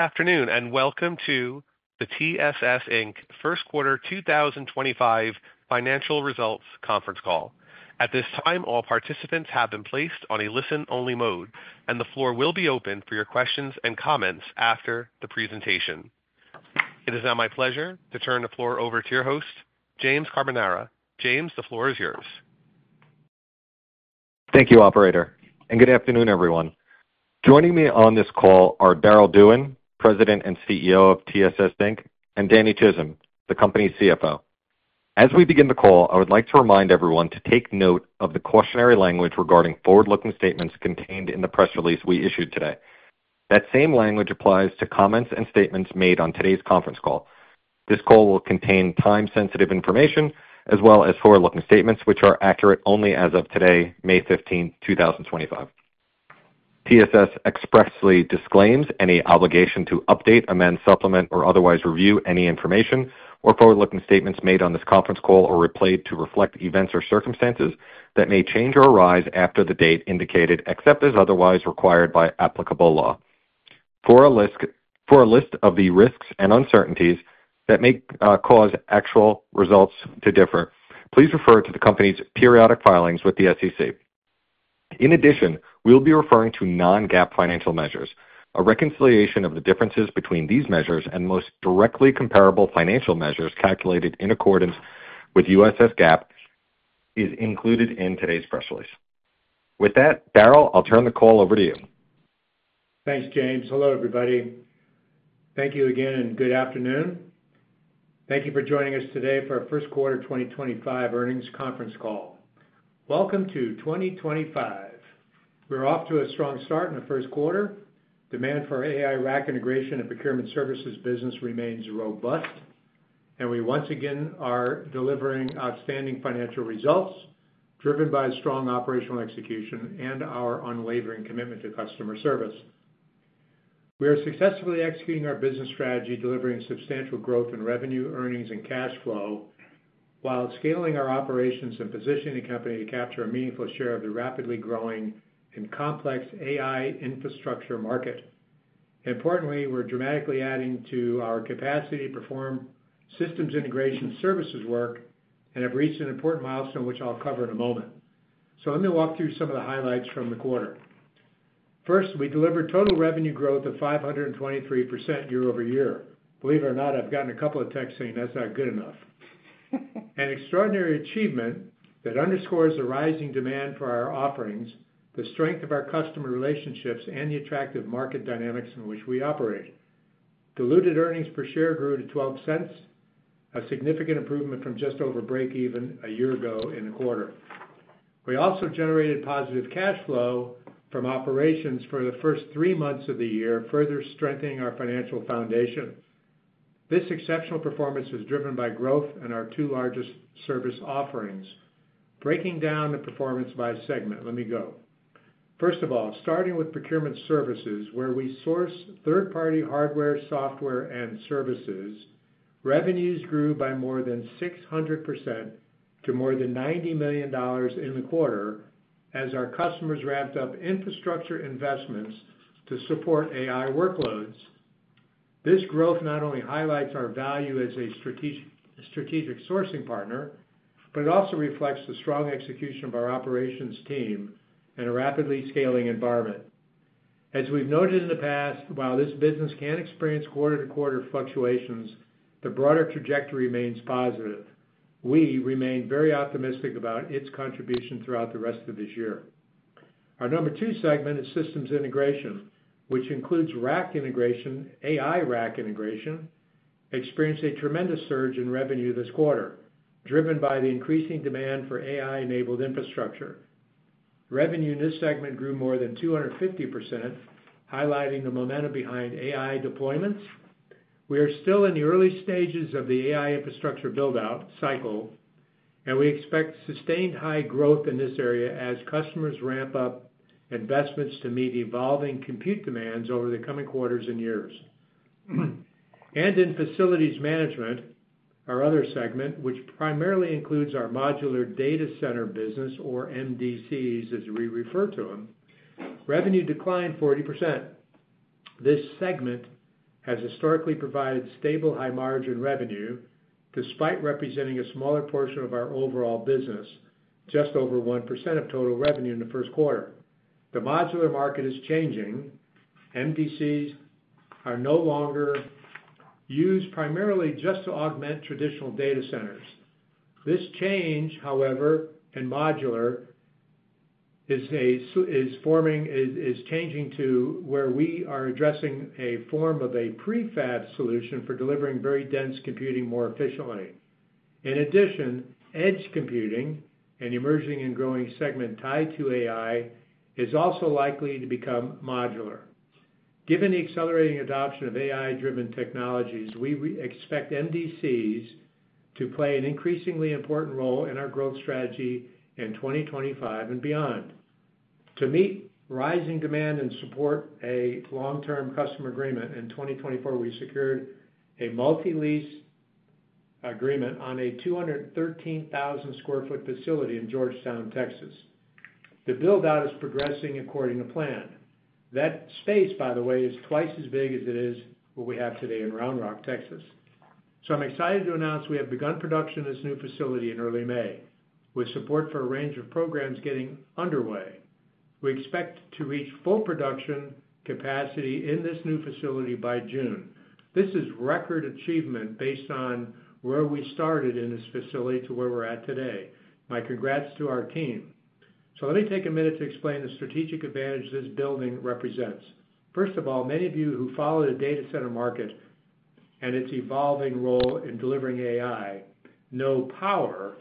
Afternoon, and welcome to the TSS Inc First Quarter 2025 financial results conference call. At this time, all participants have been placed on a listen-only mode, and the floor will be open for your questions and comments after the presentation. It is now my pleasure to turn the floor over to your host, James Carbonara. James, the floor is yours. Thank you, Operator, and good afternoon, everyone. Joining me on this call are Darryll Dewan, President and CEO of TSS Inc, and Danny Chism, the company's CFO. As we begin the call, I would like to remind everyone to take note of the cautionary language regarding forward-looking statements contained in the press release we issued today. That same language applies to comments and statements made on today's conference call. This call will contain time-sensitive information as well as forward-looking statements, which are accurate only as of today, May 15, 2025. TSS expressly disclaims any obligation to update, amend, supplement, or otherwise review any information or forward-looking statements made on this conference call or replayed to reflect events or circumstances that may change or arise after the date indicated, except as otherwise required by applicable law. For a list of the risks and uncertainties that may cause actual results to differ, please refer to the company's periodic filings with the SEC. In addition, we'll be referring to non-GAAP financial measures. A reconciliation of the differences between these measures and most directly comparable financial measures calculated in accordance with US GAAP is included in today's press release. With that, Darryll, I'll turn the call over to you. Thanks, James. Hello, everybody. Thank you again, and good afternoon. Thank you for joining us today for our First Quarter 2025 earnings conference call. Welcome to 2025. We're off to a strong start in the first quarter. Demand for AI rack integration and procurement services business remains robust, and we once again are delivering outstanding financial results driven by strong operational execution and our unwavering commitment to customer service. We are successfully executing our business strategy, delivering substantial growth in revenue, earnings, and cash flow, while scaling our operations and positioning the company to capture a meaningful share of the rapidly growing and complex AI infrastructure market. Importantly, we're dramatically adding to our capacity to perform systems integration services work and have reached an important milestone which I'll cover in a moment. Let me walk through some of the highlights from the quarter. First, we delivered total revenue growth of 523% year-over-year. Believe it or not, I've gotten a couple of texts saying that's not good enough. An extraordinary achievement that underscores the rising demand for our offerings, the strength of our customer relationships, and the attractive market dynamics in which we operate. Diluted earnings per share grew to $0.12, a significant improvement from just over break-even a year ago in the quarter. We also generated positive cash flow from operations for the first three months of the year, further strengthening our financial foundation. This exceptional performance is driven by growth in our two largest service offerings. Breaking down the performance by segment, let me go. First of all, starting with procurement services, where we source third-party hardware, software, and services, revenues grew by more than 600% to more than $90 million in the quarter as our customers ramped up infrastructure investments to support AI workloads. This growth not only highlights our value as a strategic sourcing partner, but it also reflects the strong execution of our operations team and a rapidly scaling environment. As we've noted in the past, while this business can experience quarter-to-quarter fluctuations, the broader trajectory remains positive. We remain very optimistic about its contribution throughout the rest of this year. Our number two segment is systems integration, which includes rack integration, AI rack integration, experienced a tremendous surge in revenue this quarter, driven by the increasing demand for AI-enabled infrastructure. Revenue in this segment grew more than 250%, highlighting the momentum behind AI deployments. We are still in the early stages of the AI infrastructure build-out cycle, and we expect sustained high growth in this area as customers ramp up investments to meet evolving compute demands over the coming quarters and years. In facilities management, our other segment, which primarily includes our modular data center business, or MDCs, as we refer to them, revenue declined 40%. This segment has historically provided stable high-margin revenue despite representing a smaller portion of our overall business, just over 1% of total revenue in the first quarter. The modular market is changing. MDCs are no longer used primarily just to augment traditional data centers. This change, however, in modular is changing to where we are addressing a form of a prefab solution for delivering very dense computing more efficiently. In addition, edge computing, an emerging and growing segment tied to AI, is also likely to become modular. Given the accelerating adoption of AI-driven technologies, we expect MDCs to play an increasingly important role in our growth strategy in 2025 and beyond. To meet rising demand and support a long-term customer agreement, in 2024, we secured a multi-lease agreement on a 213,000 sq ft facility in Georgetown, Texas. The build-out is progressing according to plan. That space, by the way, is twice as big as what we have today in Round Rock, Texas. I'm excited to announce we have begun production in this new facility in early May, with support for a range of programs getting underway. We expect to reach full production capacity in this new facility by June. This is a record achievement based on where we started in this facility to where we're at today. My congrats to our team. Let me take a minute to explain the strategic advantage this building represents. First of all, many of you who follow the data center market and its evolving role in delivering AI know power,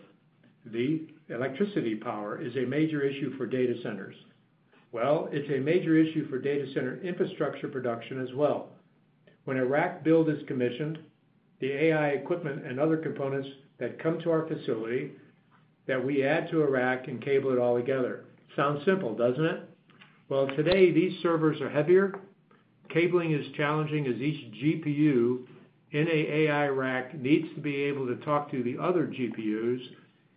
the electricity power, is a major issue for data centers. It is a major issue for data center infrastructure production as well. When a rack build is commissioned, the AI equipment and other components that come to our facility that we add to a rack and cable it all together. Sounds simple, does it not? Today, these servers are heavier. Cabling is challenging as each GPU in an AI rack needs to be able to talk to the other GPUs,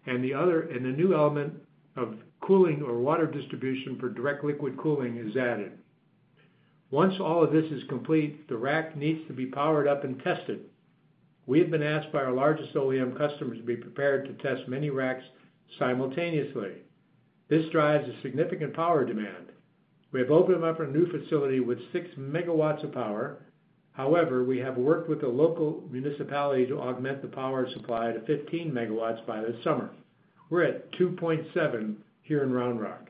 and the new element of cooling or water distribution for direct liquid cooling is added. Once all of this is complete, the rack needs to be powered up and tested. We have been asked by our largest OEM customers to be prepared to test many racks simultaneously. This drives a significant power demand. We have opened up a new facility with 6 MW of power. However, we have worked with a local municipality to augment the power supply to 15 MW by this summer. We're at 2.7 here in Round Rock.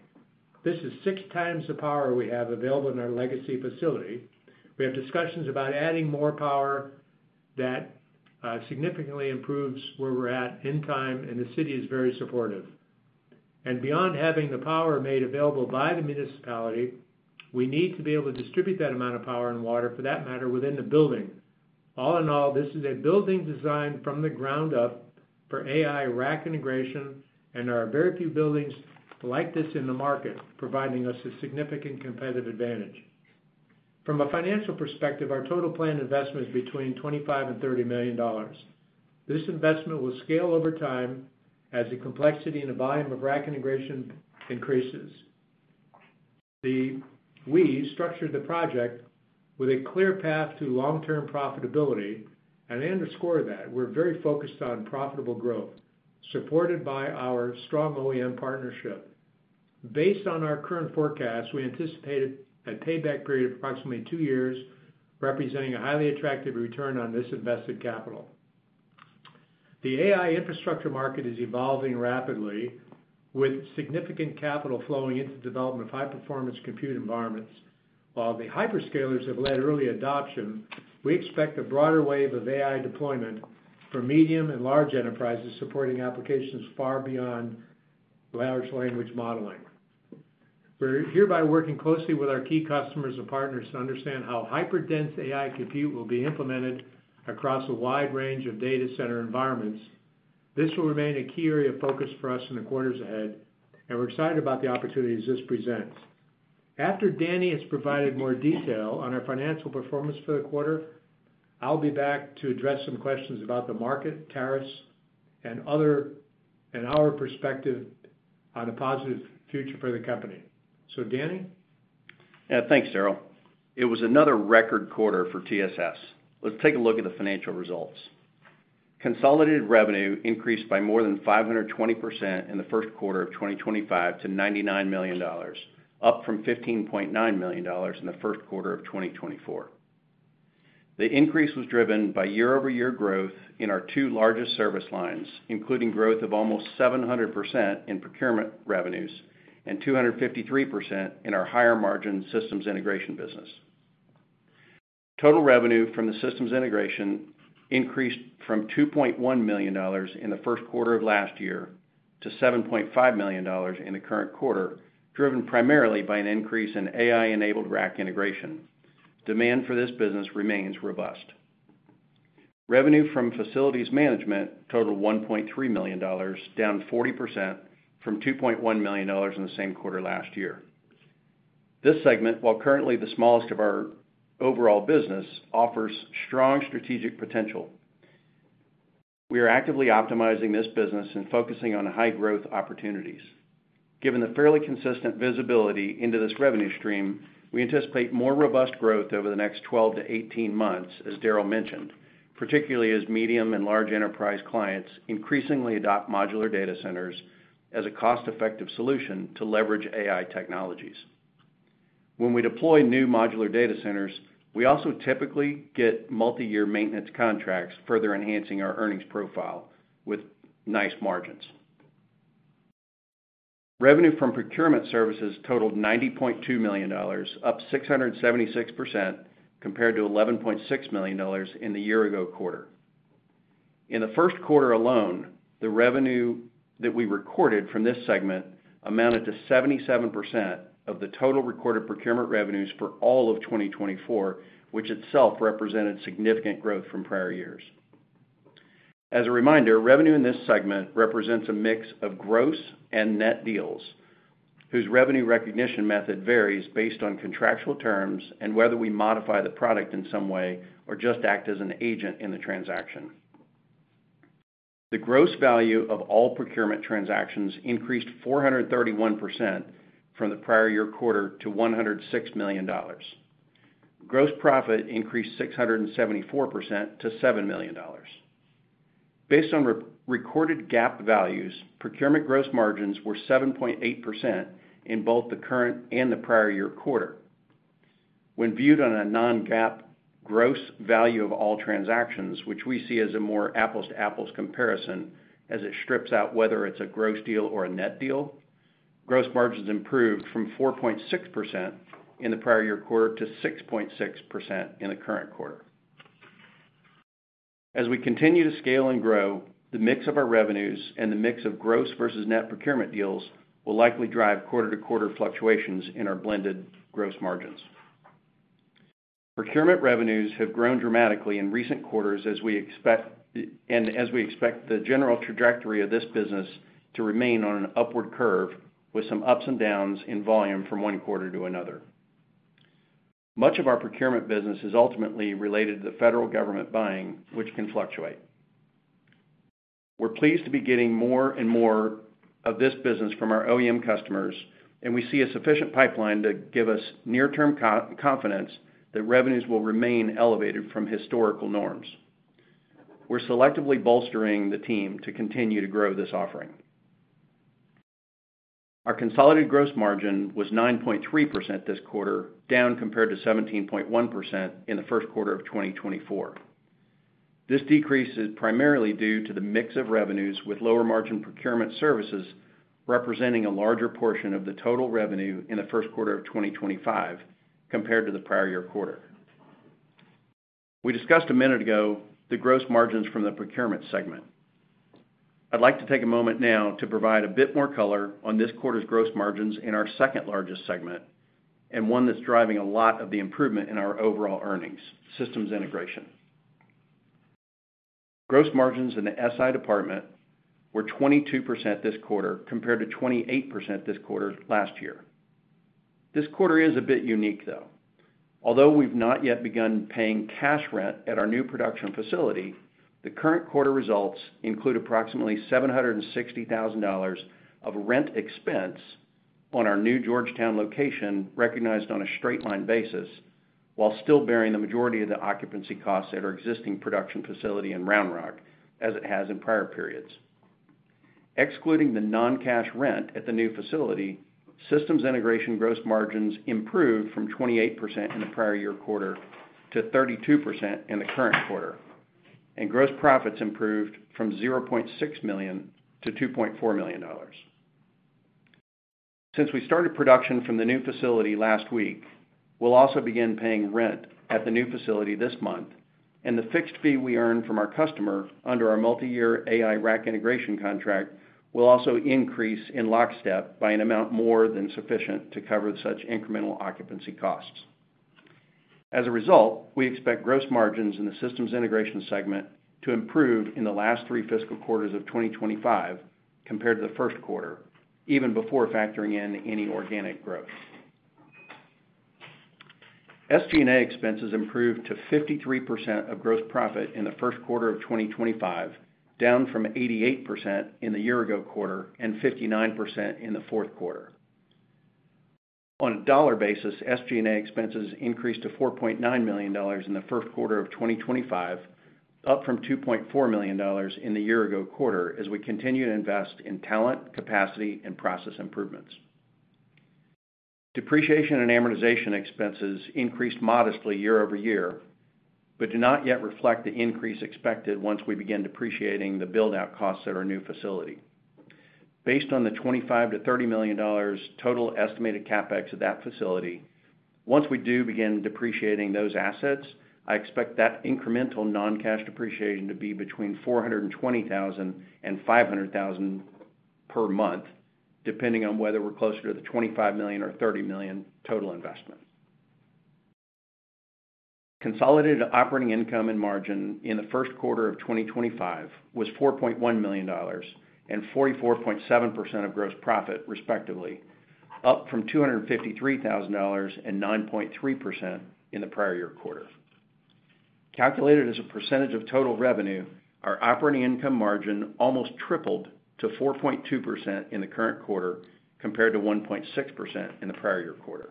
This is 6x the power we have available in our legacy facility. We have discussions about adding more power that significantly improves where we're at in time, and the city is very supportive. Beyond having the power made available by the municipality, we need to be able to distribute that amount of power and water, for that matter, within the building. All in all, this is a building designed from the ground up for AI rack integration, and there are very few buildings like this in the market providing us a significant competitive advantage. From a financial perspective, our total planned investment is between $25 million and $30 million. This investment will scale over time as the complexity and the volume of rack integration increases. We structured the project with a clear path to long-term profitability, and they underscore that. We're very focused on profitable growth, supported by our strong OEM partnership. Based on our current forecast, we anticipate a payback period of approximately two years, representing a highly attractive return on this invested capital. The AI infrastructure market is evolving rapidly, with significant capital flowing into the development of high-performance compute environments. While the hyperscalers have led early adoption, we expect a broader wave of AI deployment for medium and large enterprises supporting applications far beyond large language modeling. We are hereby working closely with our key customers and partners to understand how hyperdense AI compute will be implemented across a wide range of data center environments. This will remain a key area of focus for us in the quarters ahead, and we are excited about the opportunities this presents. After Danny has provided more detail on our financial performance for the quarter, I will be back to address some questions about the market, tariffs, and our perspective on a positive future for the company. Danny? Yeah, thanks, Darryll. It was another record quarter for TSS. Let's take a look at the financial results. Consolidated revenue increased by more than 520% in the first quarter of 2025 to $99 million, up from $15.9 million in the first quarter of 2024. The increase was driven by year-over-year growth in our two largest service lines, including growth of almost 700% in procurement revenues and 253% in our higher-margin systems integration business. Total revenue from the systems integration increased from $2.1 million in the first quarter of last year to $7.5 million in the current quarter, driven primarily by an increase in AI-enabled rack integration. Demand for this business remains robust. Revenue from facilities management totaled $1.3 million, down 40% from $2.1 million in the same quarter last year. This segment, while currently the smallest of our overall business, offers strong strategic potential. We are actively optimizing this business and focusing on high-growth opportunities. Given the fairly consistent visibility into this revenue stream, we anticipate more robust growth over the next 12-18 months, as Darryll mentioned, particularly as medium and large enterprise clients increasingly adopt modular data centers as a cost-effective solution to leverage AI technologies. When we deploy new modular data centers, we also typically get multi-year maintenance contracts, further enhancing our earnings profile with nice margins. Revenue from procurement services totaled $90.2 million, up 676% compared to $11.6 million in the year-ago quarter. In the first quarter alone, the revenue that we recorded from this segment amounted to 77% of the total recorded procurement revenues for all of 2024, which itself represented significant growth from prior years. As a reminder, revenue in this segment represents a mix of gross and net deals, whose revenue recognition method varies based on contractual terms and whether we modify the product in some way or just act as an agent in the transaction. The gross value of all procurement transactions increased 431% from the prior year quarter to $106 million. Gross profit increased 674% to $7 million. Based on recorded GAAP values, procurement gross margins were 7.8% in both the current and the prior year quarter. When viewed on a non-GAAP gross value of all transactions, which we see as a more apples-to-apples comparison as it strips out whether it's a gross deal or a net deal, gross margins improved from 4.6% in the prior year quarter to 6.6% in the current quarter. As we continue to scale and grow, the mix of our revenues and the mix of gross versus net procurement deals will likely drive quarter-to-quarter fluctuations in our blended gross margins. Procurement revenues have grown dramatically in recent quarters as we expect the general trajectory of this business to remain on an upward curve with some ups and downs in volume from one quarter to another. Much of our procurement business is ultimately related to the federal government buying, which can fluctuate. We're pleased to be getting more and more of this business from our OEM customers, and we see a sufficient pipeline to give us near-term confidence that revenues will remain elevated from historical norms. We're selectively bolstering the team to continue to grow this offering. Our consolidated gross margin was 9.3% this quarter, down compared to 17.1% in the first quarter of 2024. This decrease is primarily due to the mix of revenues with lower-margin procurement services representing a larger portion of the total revenue in the first quarter of 2025 compared to the prior year quarter. We discussed a minute ago the gross margins from the procurement segment. I'd like to take a moment now to provide a bit more color on this quarter's gross margins in our second-largest segment and one that's driving a lot of the improvement in our overall earnings, systems integration. Gross margins in the SI department were 22% this quarter compared to 28% this quarter last year. This quarter is a bit unique, though. Although we've not yet begun paying cash rent at our new production facility, the current quarter results include approximately $760,000 of rent expense on our new Georgetown location recognized on a straight-line basis, while still bearing the majority of the occupancy costs at our existing production facility in Round Rock as it has in prior periods. Excluding the non-cash rent at the new facility, systems integration gross margins improved from 28% in the prior year quarter to 32% in the current quarter, and gross profits improved from $0.6 million to $2.4 million. Since we started production from the new facility last week, we'll also begin paying rent at the new facility this month, and the fixed fee we earn from our customer under our multi-year AI rack integration contract will also increase in lockstep by an amount more than sufficient to cover such incremental occupancy costs. As a result, we expect gross margins in the systems integration segment to improve in the last three fiscal quarters of 2025 compared to the first quarter, even before factoring in any organic growth. SG&A expenses improved to 53% of gross profit in the first quarter of 2025, down from 88% in the year-ago quarter and 59% in the fourth quarter. On a dollar basis, SG&A expenses increased to $4.9 million in the first quarter of 2025, up from $2.4 million in the year-ago quarter as we continue to invest in talent, capacity, and process improvements. Depreciation and amortization expenses increased modestly year-over-year but do not yet reflect the increase expected once we begin depreciating the build-out costs at our new facility. Based on the $25 million-$30 million total estimated CapEx at that facility, once we do begin depreciating those assets, I expect that incremental non-cash depreciation to be between $420,000 and $500,000 per month, depending on whether we're closer to the $25 million or $30 million total investment. Consolidated operating income and margin in the first quarter of 2025 was $4.1 million and 44.7% of gross profit, respectively, up from $253,000 and 9.3% in the prior year quarter. Calculated as a percentage of total revenue, our operating income margin almost tripled to 4.2% in the current quarter compared to 1.6% in the prior year quarter.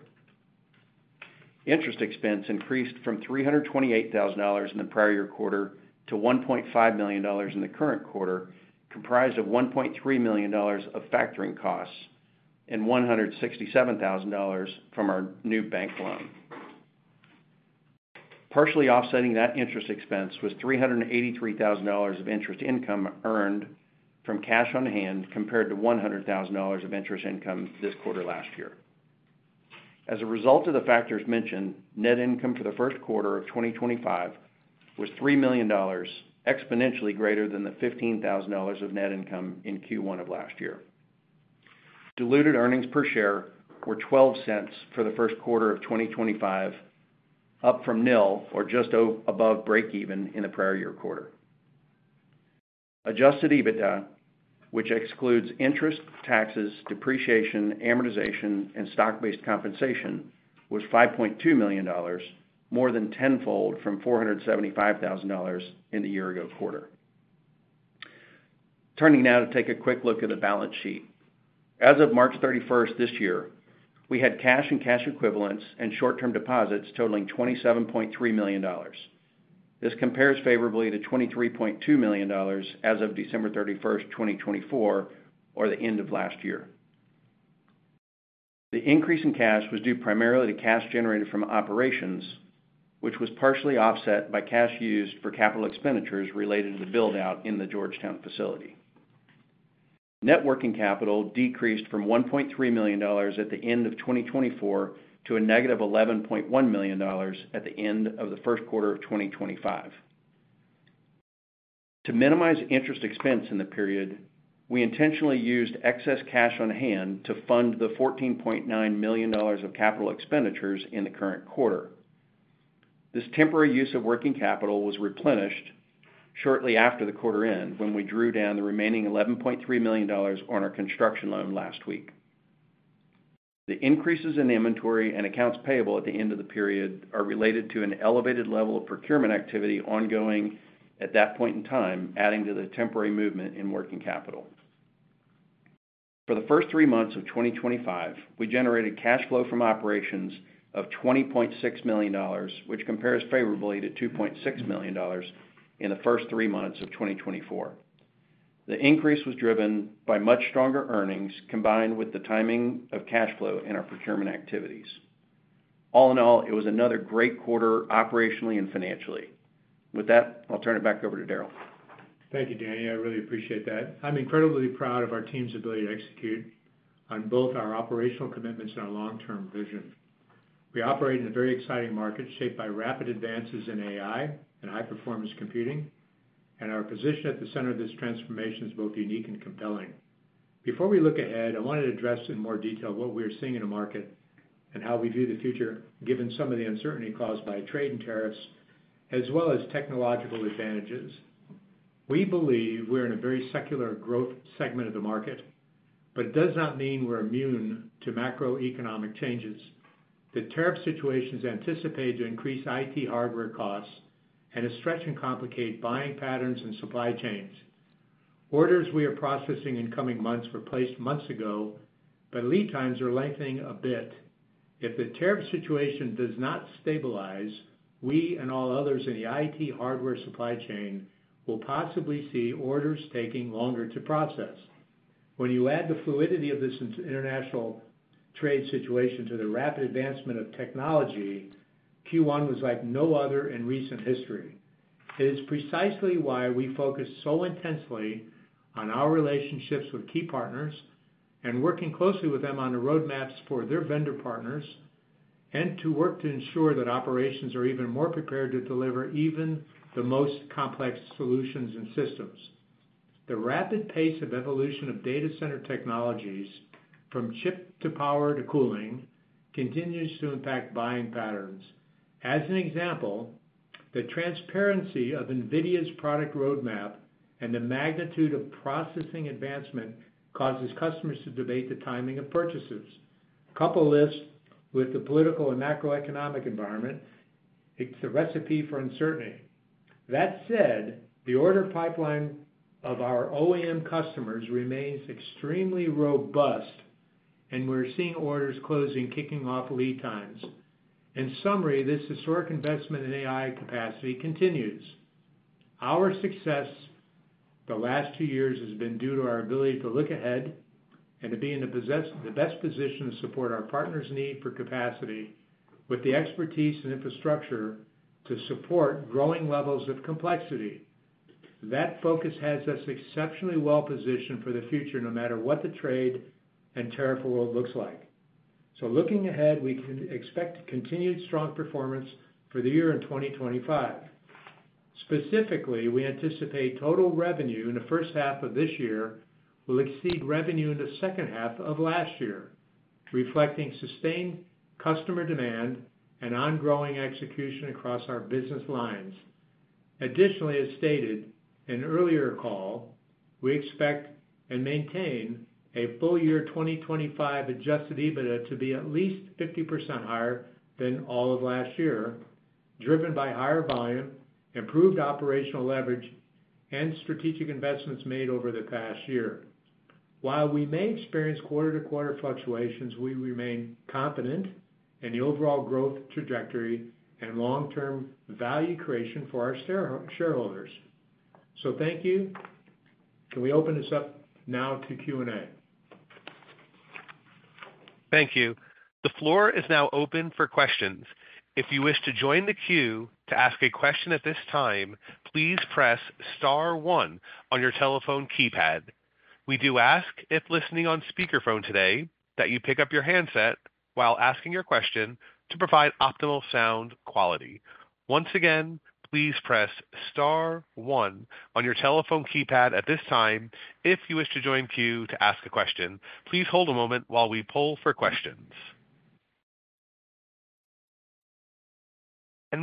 Interest expense increased from $328,000 in the prior year quarter to $1.5 million in the current quarter, comprised of $1.3 million of factoring costs and $167,000 from our new bank loan. Partially offsetting that interest expense was $383,000 of interest income earned from cash on hand compared to $100,000 of interest income this quarter last year. As a result of the factors mentioned, net income for the first quarter of 2025 was $3 million, exponentially greater than the $15,000 of net income in Q1 of last year. Diluted earnings per share were $0.12 for the first quarter of 2025, up from nil or just above break-even in the prior year quarter. Adjusted EBITDA, which excludes interest, taxes, depreciation, amortization, and stock-based compensation, was $5.2 million, more than tenfold from $475,000 in the year-ago quarter. Turning now to take a quick look at the balance sheet. As of March 31st this year, we had cash and cash equivalents and short-term deposits totaling $27.3 million. This compares favorably to $23.2 million as of December 31st, 2024, or the end of last year. The increase in cash was due primarily to cash generated from operations, which was partially offset by cash used for capital expenditures related to the build-out in the Georgetown facility. Net working capital decreased from $1.3 million at the end of 2024 to a -$11.1 million at the end of the first quarter of 2025. To minimize interest expense in the period, we intentionally used excess cash on hand to fund the $14.9 million of capital expenditures in the current quarter. This temporary use of working capital was replenished shortly after the quarter end when we drew down the remaining $11.3 million on our construction loan last week. The increases in inventory and accounts payable at the end of the period are related to an elevated level of procurement activity ongoing at that point in time, adding to the temporary movement in working capital. For the first three months of 2025, we generated cash flow from operations of $20.6 million, which compares favorably to $2.6 million in the first three months of 2024. The increase was driven by much stronger earnings combined with the timing of cash flow in our procurement activities. All in all, it was another great quarter operationally and financially. With that, I'll turn it back over to Darryll. Thank you, Danny. I really appreciate that. I'm incredibly proud of our team's ability to execute on both our operational commitments and our long-term vision. We operate in a very exciting market shaped by rapid advances in AI and high-performance computing, and our position at the center of this transformation is both unique and compelling. Before we look ahead, I wanted to address in more detail what we are seeing in the market and how we view the future, given some of the uncertainty caused by trade and tariffs, as well as technological advantages. We believe we're in a very secular growth segment of the market, but it does not mean we're immune to macroeconomic changes. The tariff situation is anticipated to increase IT hardware costs and is stretched and complicates buying patterns and supply chains. Orders we are processing in coming months were placed months ago, but lead times are lengthening a bit. If the tariff situation does not stabilize, we and all others in the IT hardware supply chain will possibly see orders taking longer to process. When you add the fluidity of this international trade situation to the rapid advancement of technology, Q1 was like no other in recent history. It is precisely why we focus so intensely on our relationships with key partners and working closely with them on the roadmaps for their vendor partners and to work to ensure that operations are even more prepared to deliver even the most complex solutions and systems. The rapid pace of evolution of data center technologies from chip to power to cooling continues to impact buying patterns. As an example, the transparency of NVIDIA's product roadmap and the magnitude of processing advancement causes customers to debate the timing of purchases. Couple this with the political and macroeconomic environment, it's the recipe for uncertainty. That said, the order pipeline of our OEM customers remains extremely robust, and we're seeing orders closing kicking off lead times. In summary, this historic investment in AI capacity continues. Our success the last two years has been due to our ability to look ahead and to be in the best position to support our partners' need for capacity with the expertise and infrastructure to support growing levels of complexity. That focus has us exceptionally well positioned for the future, no matter what the trade and tariff world looks like. Looking ahead, we can expect continued strong performance for the year in 2025. Specifically, we anticipate total revenue in the first half of this year will exceed revenue in the second half of last year, reflecting sustained customer demand and ongoing execution across our business lines. Additionally, as stated in an earlier call, we expect and maintain a full year 2025 adjusted EBITDA to be at least 50% higher than all of last year, driven by higher volume, improved operational leverage, and strategic investments made over the past year. While we may experience quarter-to-quarter fluctuations, we remain confident in the overall growth trajectory and long-term value creation for our shareholders. Thank you. Can we open this up now to Q&A? Thank you. The floor is now open for questions. If you wish to join the queue to ask a question at this time, please press star one on your telephone keypad. We do ask if listening on speakerphone today that you pick up your handset while asking your question to provide optimal sound quality. Once again, please press star one on your telephone keypad at this time. If you wish to join queue to ask a question, please hold a moment while we pull for questions.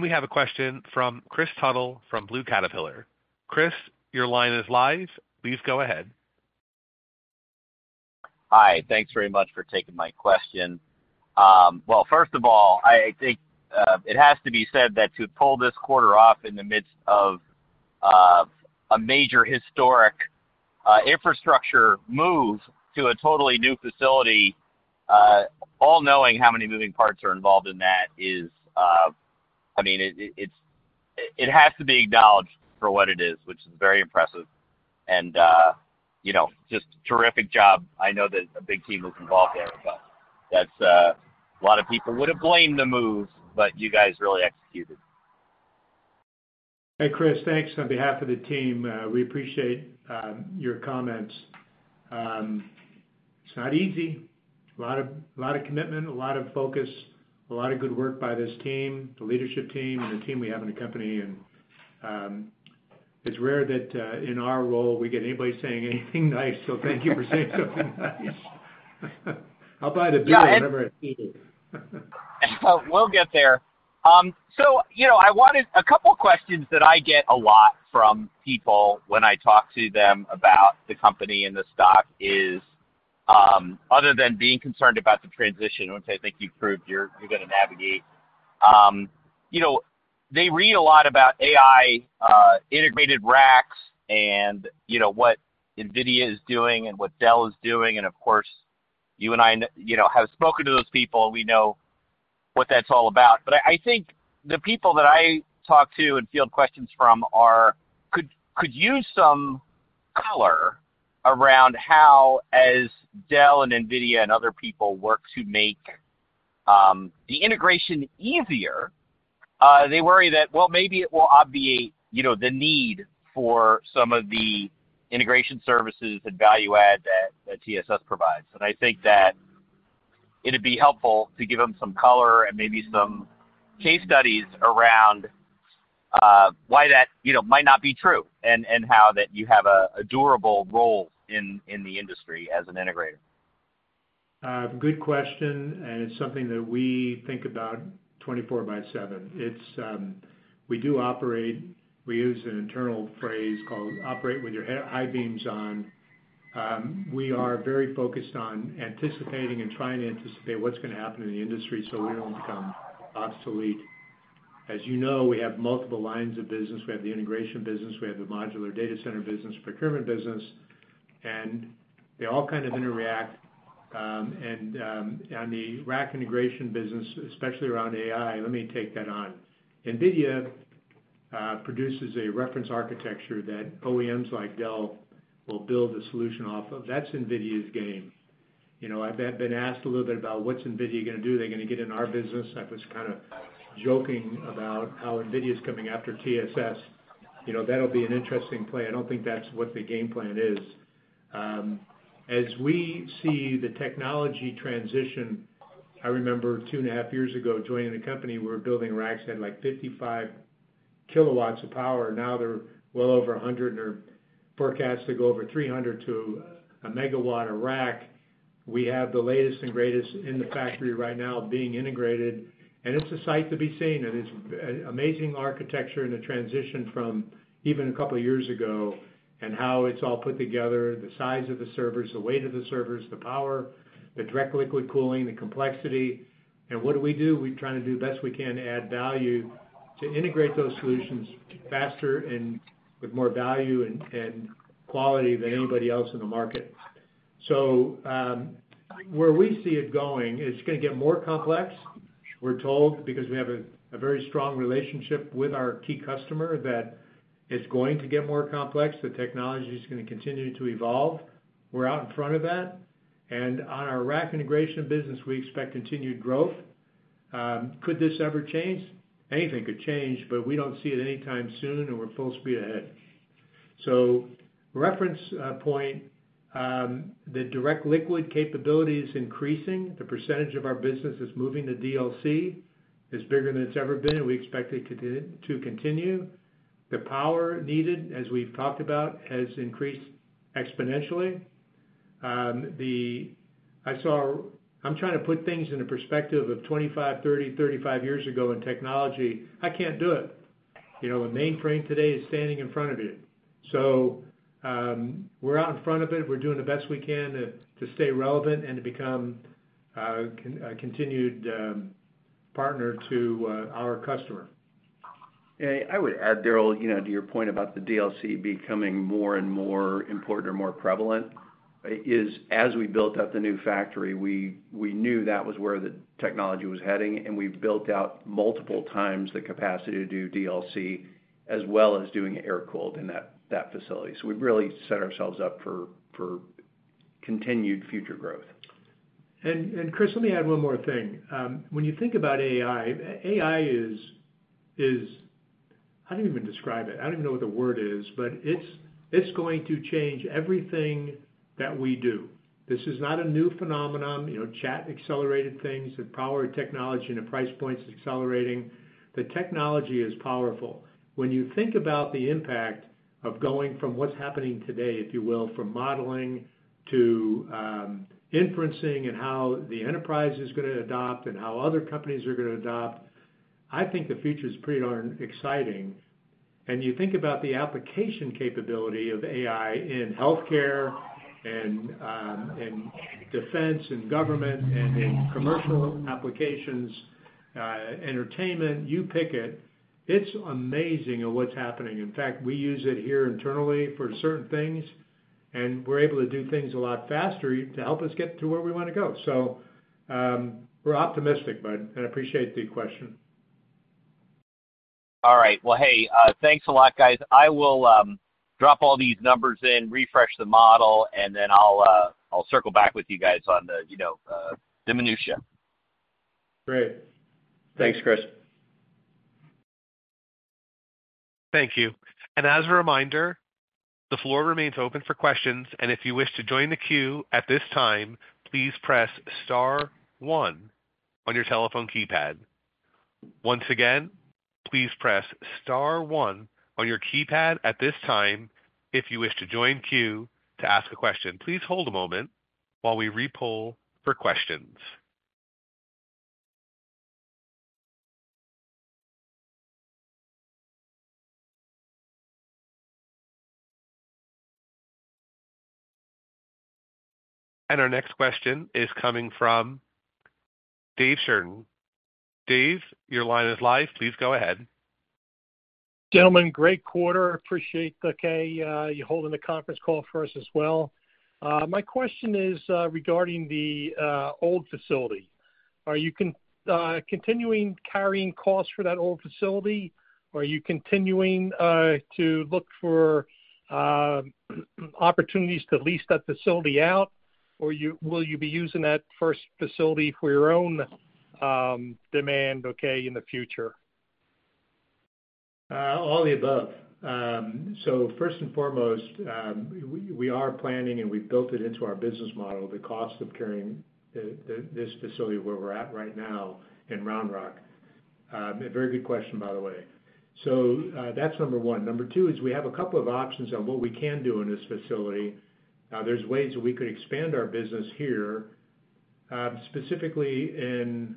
We have a question from Kris Tuttle from Blue Caterpillar. Kris, your line is live. Please go ahead. Hi. Thanks very much for taking my question. First of all, I think it has to be said that to pull this quarter off in the midst of a major historic infrastructure move to a totally new facility, all knowing how many moving parts are involved in that, I mean, it has to be acknowledged for what it is, which is very impressive. Just terrific job. I know that a big team was involved there, but a lot of people would have blamed the move, but you guys really executed. Hey, Kris, thanks. On behalf of the team, we appreciate your comments. It's not easy. A lot of commitment, a lot of focus, a lot of good work by this team, the leadership team, and the team we have in the company. It's rare that in our role, we get anybody saying anything nice. Thank you for saying something nice. I'll buy the bill. Yeah. We'll get there. I wanted a couple of questions that I get a lot from people when I talk to them about the company and the stock is, other than being concerned about the transition, which I think you've proved you're going to navigate, they read a lot about AI integrated racks and what NVIDIA is doing and what Dell is doing. Of course, you and I have spoken to those people, and we know what that's all about. I think the people that I talk to and field questions from could use some color around how, as Dell and NVIDIA and other people work to make the integration easier, they worry that, well, maybe it will obviate the need for some of the integration services and value add that TSS provides. I think that it would be helpful to give them some color and maybe some case studies around why that might not be true and how that you have a durable role in the industry as an integrator. Good question, and it's something that we think about 24/7. We do operate, we use an internal phrase called operate with your high beams on. We are very focused on anticipating and trying to anticipate what's going to happen in the industry so we don't become obsolete. As you know, we have multiple lines of business. We have the integration business. We have the modular data center business, procurement business, and they all kind of interact. On the rack integration business, especially around AI, let me take that on. NVIDIA produces a reference architecture that OEMs like Dell will build a solution off of. That's NVIDIA's game. I've been asked a little bit about what's NVIDIA going to do. Are they going to get in our business? I was kind of joking about how NVIDIA is coming after TSS. That'll be an interesting play. I don't think that's what the game plan is. As we see the technology transition, I remember two and a half years ago, joining the company, we were building racks that had like 55 kW of power. Now they're well over 100 kW, and they're forecast to go over 300 to a megawatt a rack. We have the latest and greatest in the factory right now being integrated, and it's a sight to be seen. It is amazing architecture and a transition from even a couple of years ago and how it's all put together, the size of the servers, the weight of the servers, the power, the direct liquid cooling, the complexity. What do we do? We try to do the best we can to add value to integrate those solutions faster and with more value and quality than anybody else in the market. Where we see it going, it's going to get more complex, we're told, because we have a very strong relationship with our key customer that it's going to get more complex. The technology is going to continue to evolve. We're out in front of that. On our rack integration business, we expect continued growth. Could this ever change? Anything could change, but we don't see it anytime soon, and we're full speed ahead. Reference point, the direct liquid capability is increasing. The percentage of our business that's moving to DLC is bigger than it's ever been, and we expect it to continue. The power needed, as we've talked about, has increased exponentially. I'm trying to put things in the perspective of 25, 30, 35 years ago in technology. I can't do it. The mainframe today is standing in front of you. We're out in front of it. We're doing the best we can to stay relevant and to become a continued partner to our customer. Hey, I would add, Darryll, to your point about the DLC becoming more and more important or more prevalent is, as we built up the new factory, we knew that was where the technology was heading, and we built out multiple times the capacity to do DLC as well as doing air-cooled in that facility. We have really set ourselves up for continued future growth. Kris, let me add one more thing. When you think about AI, AI is—how do you even describe it? I do not even know what the word is, but it is going to change everything that we do. This is not a new phenomenon. Chat accelerated things. The power of technology and the price points are accelerating. The technology is powerful. When you think about the impact of going from what is happening today, if you will, from modeling to inferencing and how the enterprise is going to adopt and how other companies are going to adopt, I think the future is pretty darn exciting. You think about the application capability of AI in healthcare and defense and government and in commercial applications, entertainment, you pick it. It is amazing what is happening. In fact, we use it here internally for certain things, and we're able to do things a lot faster to help us get to where we want to go. We are optimistic, but I appreciate the question. All right. Hey, thanks a lot, guys. I will drop all these numbers in, refresh the model, and then I'll circle back with you guys on the minutia. Great. Thanks, Kris. Thank you. As a reminder, the floor remains open for questions. If you wish to join the queue at this time, please press star one on your telephone keypad. Once again, please press star one on your keypad at this time if you wish to join the queue to ask a question. Please hold a moment while we repoll for questions. Our next question is coming from Dave Sheridan. Dave, your line is live. Please go ahead. Gentlemen, great quarter. Appreciate you holding the conference call for us as well. My question is regarding the old facility. Are you continuing carrying costs for that old facility, or are you continuing to look for opportunities to lease that facility out, or will you be using that first facility for your own demand in the future? All the above. First and foremost, we are planning, and we've built it into our business model, the cost of carrying this facility where we're at right now in Round Rock. A very good question, by the way. That's number one. Number two is we have a couple of options on what we can do in this facility. There are ways that we could expand our business here, specifically in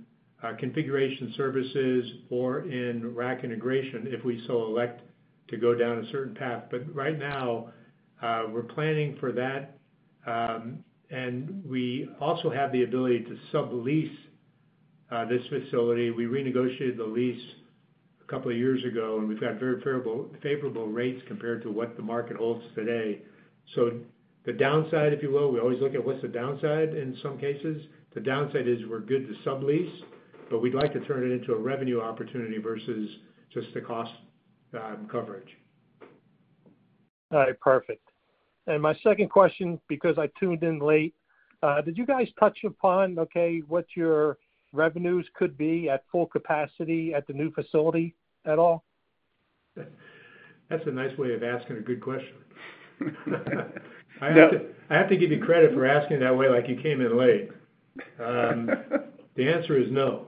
configuration services or in rack integration if we so elect to go down a certain path. Right now, we're planning for that. We also have the ability to sublease this facility. We renegotiated the lease a couple of years ago, and we've got very favorable rates compared to what the market holds today. The downside, if you will, we always look at what's the downside in some cases. The downside is we're good to sublease, but we'd like to turn it into a revenue opportunity versus just the cost coverage. All right. Perfect. My second question, because I tuned in late, did you guys touch upon, okay, what your revenues could be at full capacity at the new facility at all? That's a nice way of asking a good question. I have to give you credit for asking it that way like you came in late. The answer is no.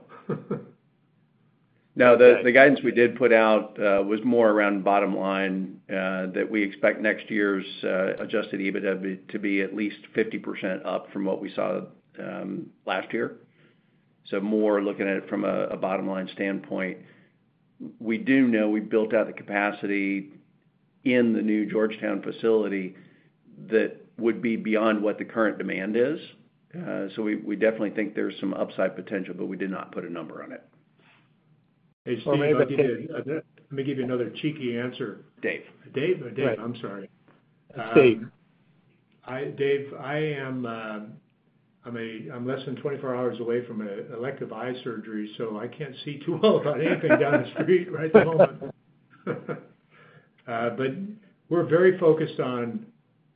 No, the guidance we did put out was more around bottom line that we expect next year's adjusted EBITDA to be at least 50% up from what we saw last year. So more looking at it from a bottom line standpoint. We do know we built out the capacity in the new Georgetown facility that would be beyond what the current demand is. So we definitely think there's some upside potential, but we did not put a number on it. Steve, let me give you another cheeky answer. Dave. Dave? I'm sorry. It's Dave. Dave, I'm less than 24 hours away from an elective eye surgery, so I can't see too well about anything down the street right at the moment. We are very focused on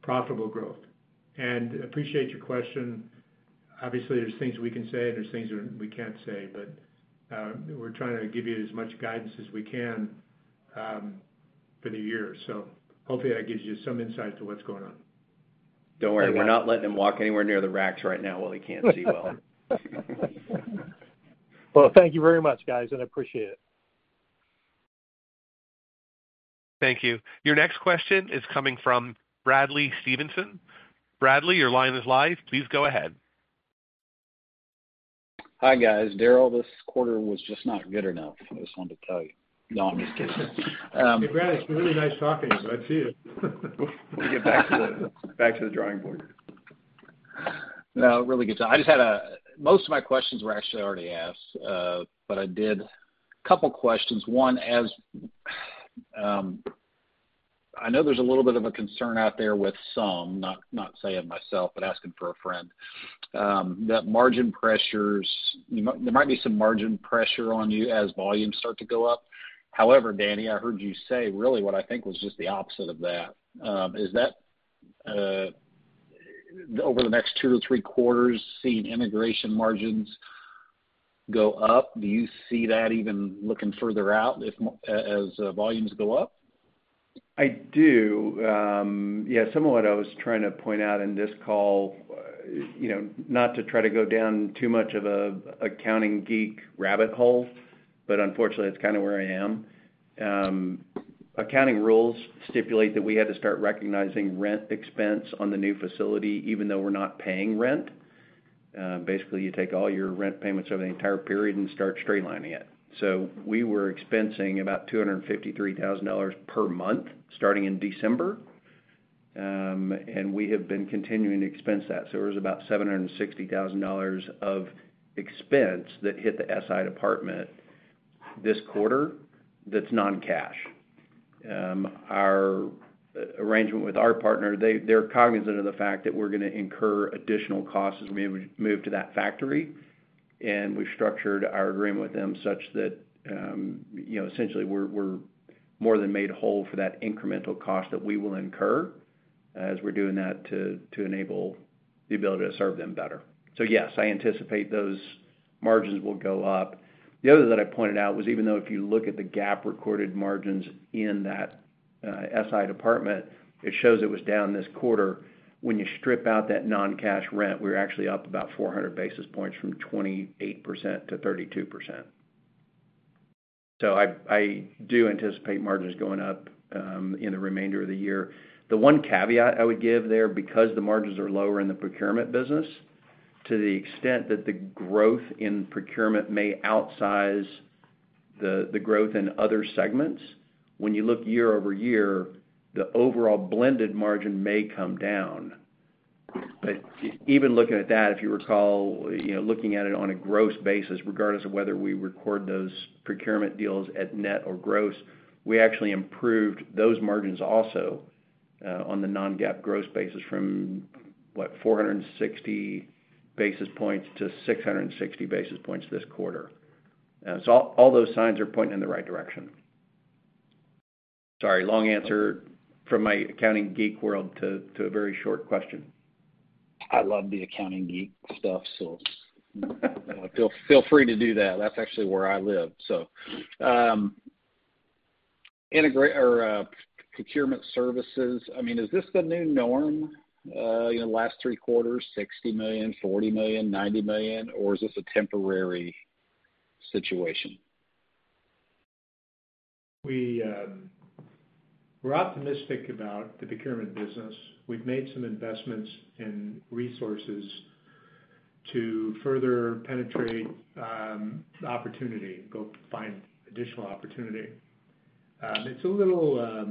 profitable growth. I appreciate your question. Obviously, there are things we can say, and there are things we can't say, but we're trying to give you as much guidance as we can for the year. Hopefully, that gives you some insight to what's going on. Don't worry. We're not letting them walk anywhere near the racks right now while they can't see well. Thank you very much, guys, and I appreciate it. Thank you. Your next question is coming from Bradley Stevenson. Bradley, your line is live. Please go ahead. Hi, guys. Darryll, this quarter was just not good enough, I just wanted to tell you. No, I'm just kidding. Hey, Bradley. It's been really nice talking to you. Glad to see you. We'll get back to the drawing board. No, really good time. I just had a—most of my questions were actually already asked, but I did a couple of questions. One, as I know there's a little bit of a concern out there with some, not saying myself, but asking for a friend, that margin pressures, there might be some margin pressure on you as volumes start to go up. However, Danny, I heard you say really what I think was just the opposite of that. Is that over the next two or three quarters, seeing integration margins go up? Do you see that even looking further out as volumes go up? I do. Yeah, some of what I was trying to point out in this call, not to try to go down too much of an accounting geek rabbit hole, but unfortunately, that's kind of where I am. Accounting rules stipulate that we had to start recognizing rent expense on the new facility, even though we're not paying rent. Basically, you take all your rent payments over the entire period and start straightlining it. So we were expensing about $253,000 per month starting in December, and we have been continuing to expense that. So it was about $760,000 of expense that hit the SI department this quarter that's non-cash. Our arrangement with our partner, they're cognizant of the fact that we're going to incur additional costs as we move to that factory. We have structured our agreement with them such that essentially we are more than made whole for that incremental cost that we will incur as we are doing that to enable the ability to serve them better. Yes, I anticipate those margins will go up. The other that I pointed out was even though if you look at the GAAP recorded margins in that SI department, it shows it was down this quarter. When you strip out that non-cash rent, we are actually up about 400 basis points from 28% to 32%. I do anticipate margins going up in the remainder of the year. The one caveat I would give there, because the margins are lower in the procurement business, to the extent that the growth in procurement may outsize the growth in other segments, when you look year-over-year, the overall blended margin may come down. Even looking at that, if you recall, looking at it on a gross basis, regardless of whether we record those procurement deals at net or gross, we actually improved those margins also on the non-GAAP gross basis from, what, 460 basis points to 660 basis points this quarter. All those signs are pointing in the right direction. Sorry, long answer from my accounting geek world to a very short question. I love the accounting geek stuff, so feel free to do that. That's actually where I live. So procurement services, I mean, is this the new norm the last three quarters, $60 million, $40 million, $90 million, or is this a temporary situation? We're optimistic about the procurement business. We've made some investments in resources to further penetrate opportunity, go find additional opportunity. It's a little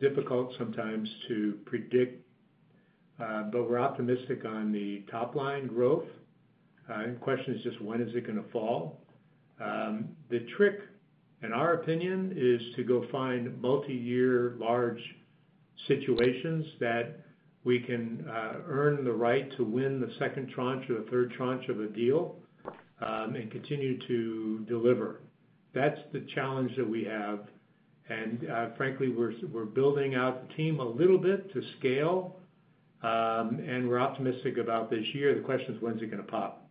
difficult sometimes to predict, but we're optimistic on the top line growth. The question is just when is it going to fall? The trick, in our opinion, is to go find multi-year large situations that we can earn the right to win the second tranche or the third tranche of a deal and continue to deliver. That's the challenge that we have. And frankly, we're building out the team a little bit to scale, and we're optimistic about this year. The question is when's it going to pop?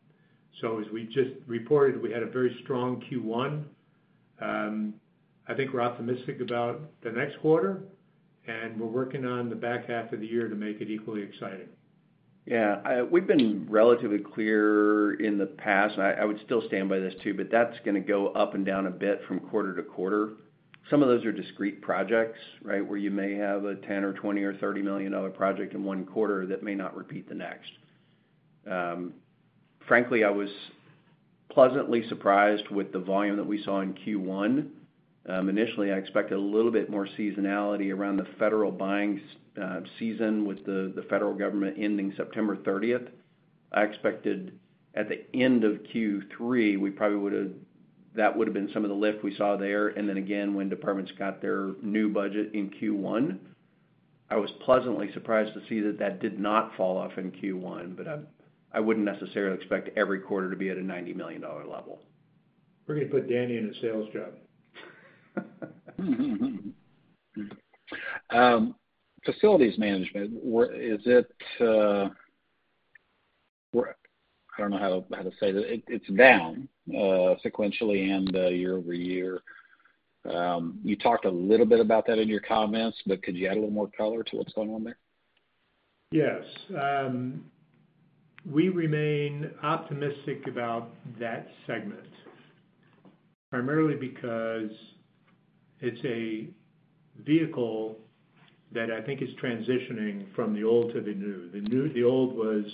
As we just reported, we had a very strong Q1. I think we're optimistic about the next quarter, and we're working on the back half of the year to make it equally exciting. Yeah. We've been relatively clear in the past, and I would still stand by this too, but that's going to go up and down a bit from quarter to quarter. Some of those are discrete projects, right, where you may have a $10 million or $20 million or $30 million project in one quarter that may not repeat the next. Frankly, I was pleasantly surprised with the volume that we saw in Q1. Initially, I expected a little bit more seasonality around the federal buying season with the federal government ending September 30th. I expected at the end of Q3, that would have been some of the lift we saw there. Again, when departments got their new budget in Q1, I was pleasantly surprised to see that that did not fall off in Q1, but I wouldn't necessarily expect every quarter to be at a $90 million level. We're going to put Danny in a sales job. Facilities management, is it—I don't know how to say that. It's down sequentially and year-over-year. You talked a little bit about that in your comments, but could you add a little more color to what's going on there? Yes. We remain optimistic about that segment, primarily because it's a vehicle that I think is transitioning from the old to the new. The old was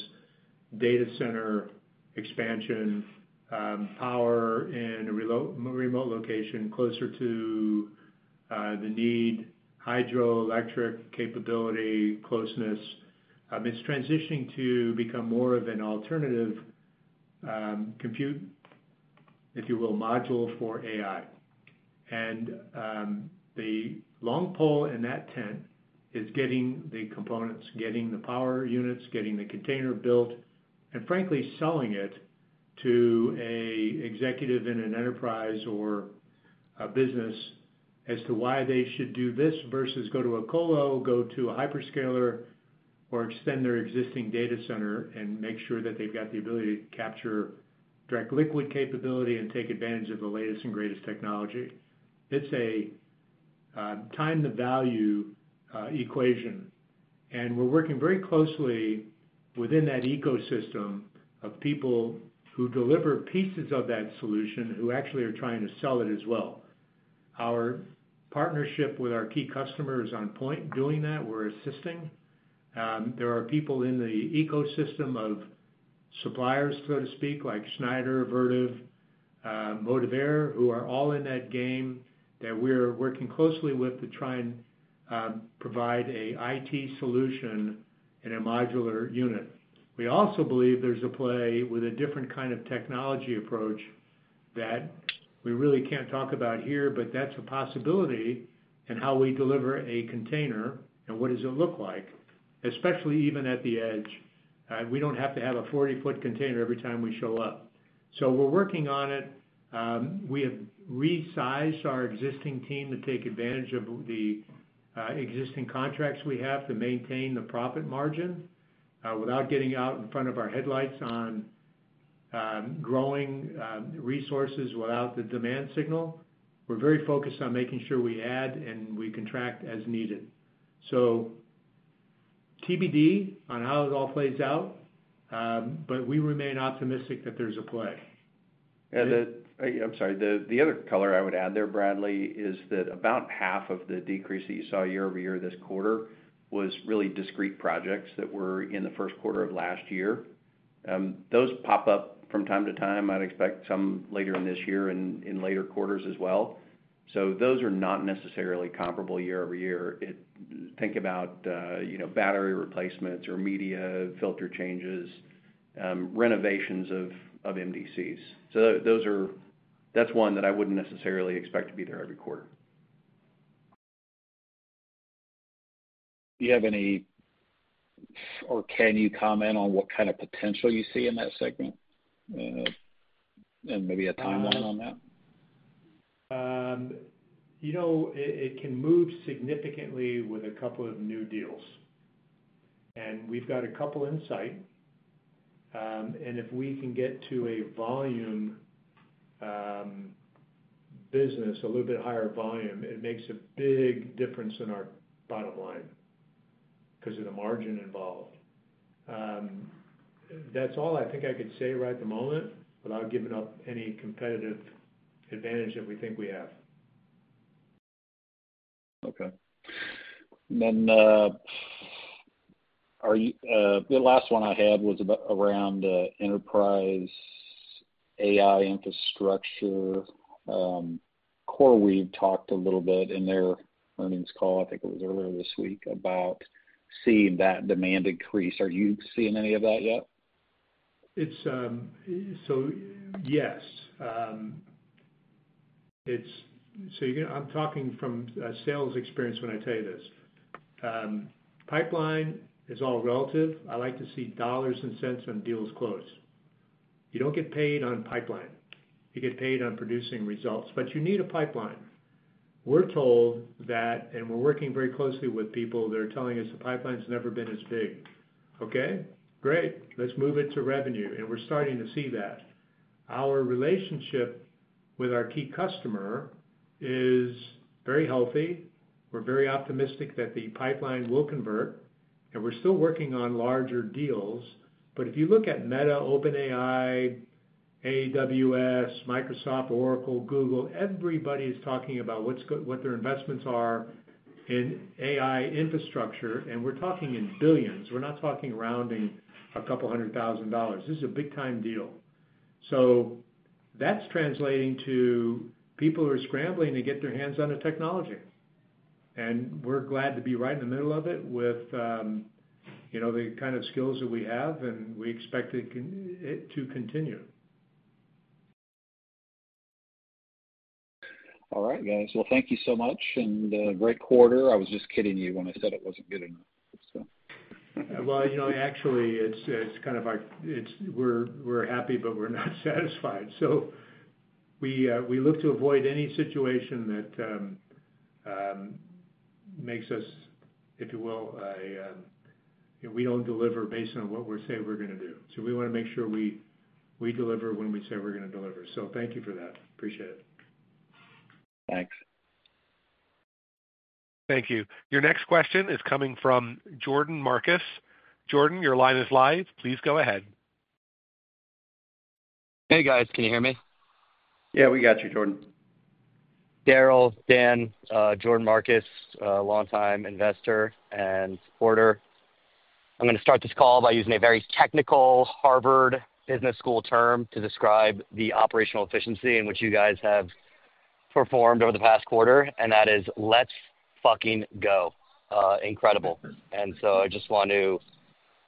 data center expansion, power in a remote location closer to the need, hydroelectric capability, closeness. It's transitioning to become more of an alternative compute, if you will, module for AI. The long pole in that tent is getting the components, getting the power units, getting the container built, and frankly, selling it to an executive in an enterprise or a business as to why they should do this versus go to a colo, go to a hyperscaler, or extend their existing data center and make sure that they've got the ability to capture direct liquid capability and take advantage of the latest and greatest technology. It's a time-to-value equation. We're working very closely within that ecosystem of people who deliver pieces of that solution who actually are trying to sell it as well. Our partnership with our key customers is on point doing that. We're assisting. There are people in the ecosystem of suppliers, so to speak, like Schneider, Vertiv, Motivare, who are all in that game that we are working closely with to try and provide an IT solution in a modular unit. We also believe there's a play with a different kind of technology approach that we really can't talk about here, but that's a possibility in how we deliver a container and what does it look like, especially even at the edge. We don't have to have a 40-foot container every time we show up. We're working on it. We have resized our existing team to take advantage of the existing contracts we have to maintain the profit margin without getting out in front of our headlights on growing resources without the demand signal. We are very focused on making sure we add and we contract as needed. TBD on how it all plays out, but we remain optimistic that there is a play. I'm sorry. The other color I would add there, Bradley, is that about half of the decrease that you saw year-over-year this quarter was really discrete projects that were in the first quarter of last year. Those pop up from time to time. I'd expect some later in this year and in later quarters as well. Those are not necessarily comparable year-over-year. Think about battery replacements or media filter changes, renovations of MDCs. That's one that I wouldn't necessarily expect to be there every quarter. Do you have any or can you comment on what kind of potential you see in that segment and maybe a timeline on that? It can move significantly with a couple of new deals. We have got a couple in sight. If we can get to a volume business, a little bit higher volume, it makes a big difference in our bottom line because of the margin involved. That is all I think I could say right at the moment without giving up any competitive advantage that we think we have. Okay. Then the last one I had was around enterprise AI infrastructure. Core Weave talked a little bit in their earnings call, I think it was earlier this week, about seeing that demand increase. Are you seeing any of that yet? Yes. I'm talking from a sales experience when I tell you this. Pipeline is all relative. I like to see dollars and cents on deals closed. You do not get paid on pipeline. You get paid on producing results, but you need a pipeline. We're told that, and we're working very closely with people that are telling us the pipeline has never been as big. Okay. Great. Let's move it to revenue. We're starting to see that. Our relationship with our key customer is very healthy. We're very optimistic that the pipeline will convert. We're still working on larger deals. If you look at Meta, OpenAI, AWS, Microsoft, Oracle, Google, everybody is talking about what their investments are in AI infrastructure. We're talking in billions. We're not talking rounding a couple hundred thousand dollars. This is a big-time deal. That's translating to people who are scrambling to get their hands on the technology. We're glad to be right in the middle of it with the kind of skills that we have, and we expect it to continue. All right, guys. Thank you so much. Great quarter. I was just kidding you when I said it was not good enough, so. Actually, it's kind of like we're happy, but we're not satisfied. We look to avoid any situation that makes us, if you will, we do not deliver based on what we say we're going to do. We want to make sure we deliver when we say we're going to deliver. Thank you for that. Appreciate it. Thanks. Thank you. Your next question is coming from Jordan Marcus. Jordan, your line is live. Please go ahead. Hey, guys. Can you hear me? Yeah, we got you, Jordan. Darryll, Danny, Jordan Marcus, longtime investor and supporter. I'm going to start this call by using a very technical Harvard Business School term to describe the operational efficiency in which you guys have performed over the past quarter. And that is, let's fucking go. Incredible. I just want to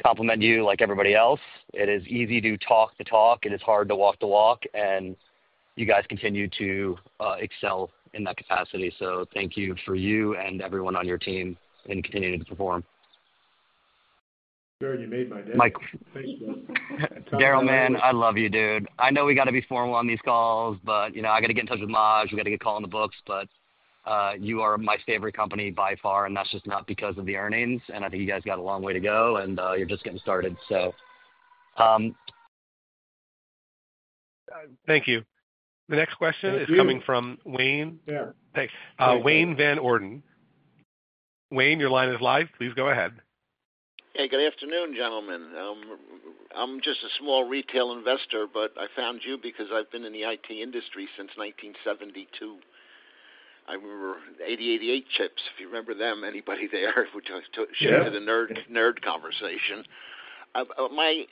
compliment you like everybody else. It is easy to talk the talk. It is hard to walk the walk. You guys continue to excel in that capacity. Thank you for you and everyone on your team in continuing to perform. Gary, you made my day. Mike. Thank you. Darryll, man, I love you, dude. I know we got to be formal on these calls, but I got to get in touch with Maj. We got to get a call on the books, but you are my favorite company by far. And that's just not because of the earnings. I think you guys got a long way to go, and you're just getting started, so. Thank you. The next question is coming from Wayne. Yeah. Thanks. Wayne Van Orden. Wayne, your line is live. Please go ahead. Hey, good afternoon, gentlemen. I'm just a small retail investor, but I found you because I've been in the IT industry since 1972. I remember the 8088 chips. If you remember them, anybody there, we should have a nerd conversation. My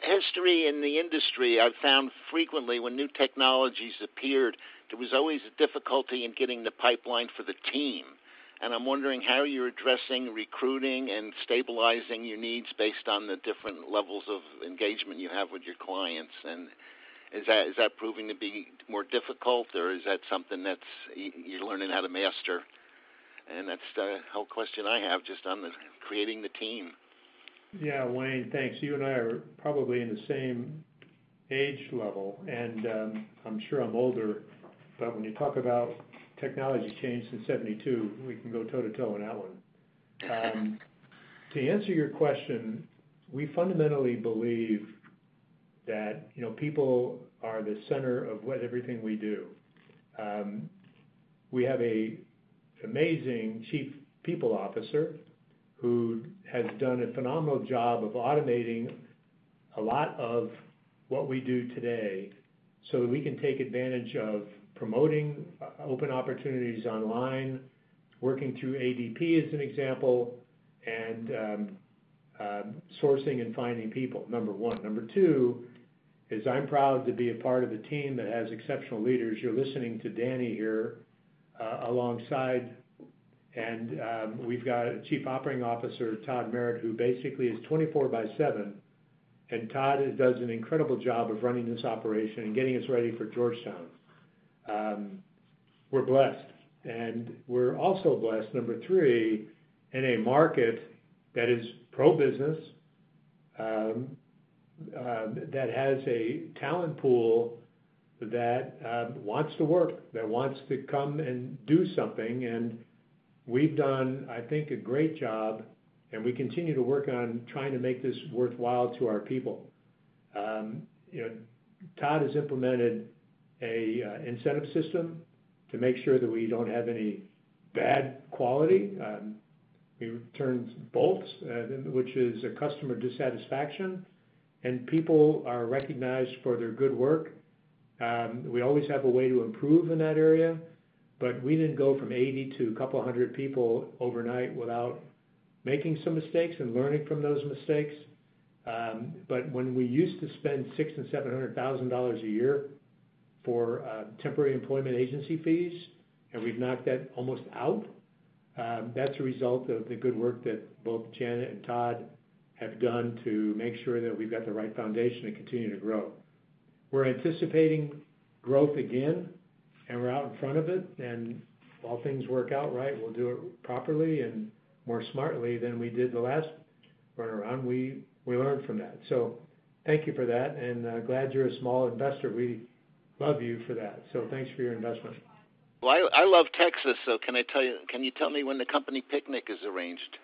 history in the industry, I've found frequently when new technologies appeared, there was always a difficulty in getting the pipeline for the team. I'm wondering how you're addressing recruiting and stabilizing your needs based on the different levels of engagement you have with your clients. Is that proving to be more difficult, or is that something that you're learning how to master? That's the whole question I have just on creating the team. Yeah, Wayne, thanks. You and I are probably in the same age level. I'm sure I'm older, but when you talk about technology change since 1972, we can go toe to toe on that one. To answer your question, we fundamentally believe that people are the center of everything we do. We have an amazing Chief People Officer who has done a phenomenal job of automating a lot of what we do today so that we can take advantage of promoting open opportunities online, working through ADP as an example, and sourcing and finding people, number one. Number two is I'm proud to be a part of a team that has exceptional leaders. You're listening to Danny here alongside. We have a Chief Operating Officer, Todd Merritt, who basically is 24/7. Todd does an incredible job of running this operation and getting us ready for Georgetown. We're blessed. We're also blessed, number three, in a market that is pro-business, that has a talent pool that wants to work, that wants to come and do something. We've done, I think, a great job, and we continue to work on trying to make this worthwhile to our people. Todd has implemented an incentive system to make sure that we do not have any bad quality. We turned both, which is a customer dissatisfaction. People are recognized for their good work. We always have a way to improve in that area, but we did not go from 80 to a couple hundred people overnight without making some mistakes and learning from those mistakes. When we used to spend $600,000 and $700,000 a year for temporary employment agency fees, and we have knocked that almost out, that is a result of the good work that both Janet and Todd have done to make sure that we have got the right foundation to continue to grow. We are anticipating growth again, and we are out in front of it. If all things work out right, we will do it properly and more smartly than we did the last runaround. We learned from that. Thank you for that. Glad you are a small investor. We love you for that. Thanks for your investment. I love Texas, so can you tell me when the company picnic is arranged?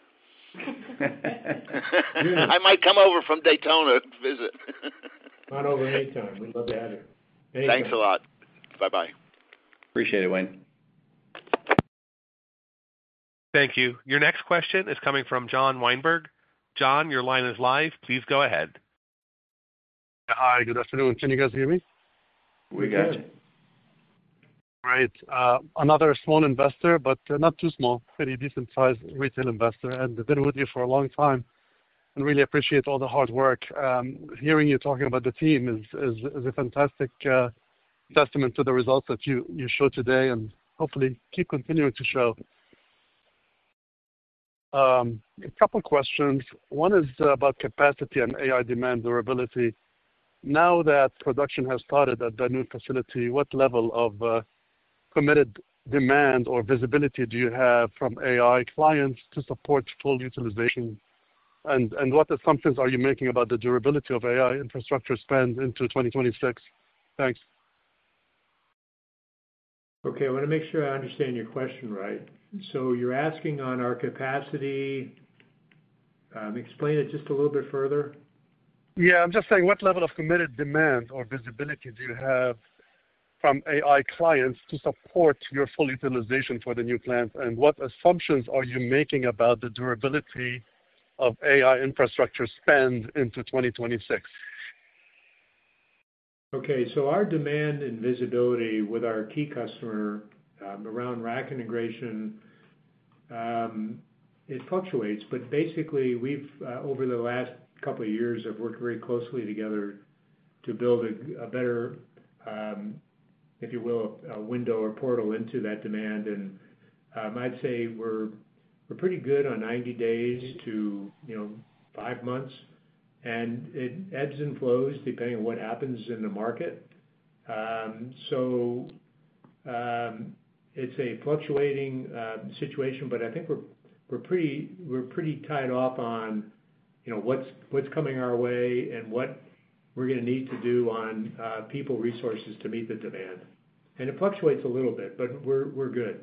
I might come over from Daytona to visit. Not over any time. We'd love to have you. Thanks a lot. Bye-bye. Appreciate it, Wayne. Thank you. Your next question is coming from John Weinberg. John, your line is live. Please go ahead. Hi, good afternoon. Can you guys hear me? We got you. Great. Another small investor, but not too small. Pretty decent-sized retail investor. And I've been with you for a long time. Really appreciate all the hard work. Hearing you talking about the team is a fantastic testament to the results that you showed today and hopefully keep continuing to show. A couple of questions. One is about capacity and AI demand durability. Now that production has started at the new facility, what level of committed demand or visibility do you have from AI clients to support full utilization? What assumptions are you making about the durability of AI infrastructure spend into 2026? Thanks. Okay. I want to make sure I understand your question right. So you're asking on our capacity. Explain it just a little bit further. Yeah. I'm just saying what level of committed demand or visibility do you have from AI clients to support your full utilization for the new plants? What assumptions are you making about the durability of AI infrastructure spend into 2026? Okay. Our demand and visibility with our key customer around rack integration fluctuates. Basically, over the last couple of years, we've worked very closely together to build a better, if you will, window or portal into that demand. I'd say we're pretty good on 90 days to five months. It ebbs and flows depending on what happens in the market. It's a fluctuating situation, but I think we're pretty tied off on what's coming our way and what we're going to need to do on people resources to meet the demand. It fluctuates a little bit, but we're good.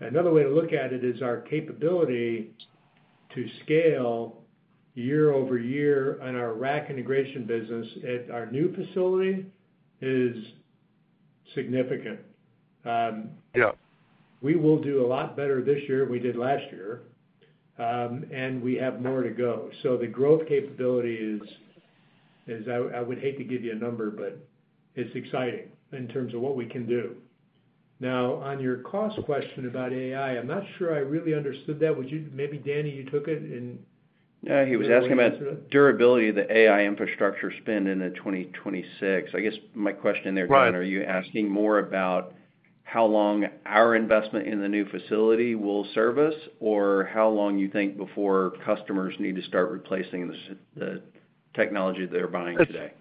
Another way to look at it is our capability to scale year-over-year on our rack integration business at our new facility is significant. We will do a lot better this year than we did last year. We have more to go. The growth capability is, I would hate to give you a number, but it's exciting in terms of what we can do. Now, on your cost question about AI, I'm not sure I really understood that. Maybe Danny, you took it and. Yeah. He was asking about durability of the AI infrastructure spend in 2026. I guess my question there, John, are you asking more about how long our investment in the new facility will service or how long you think before customers need to start replacing the technology they're buying today?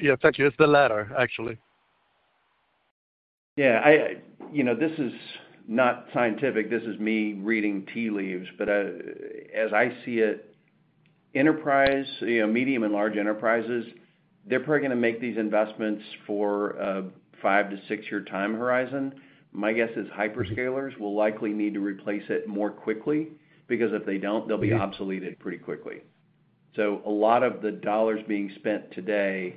Yeah. Thank you. It's the latter, actually. Yeah. This is not scientific. This is me reading tea leaves. As I see it, enterprise, medium, and large enterprises, they're probably going to make these investments for a five to six-year time horizon. My guess is hyperscalers will likely need to replace it more quickly because if they don't, they'll be obsoleted pretty quickly. A lot of the dollars being spent today,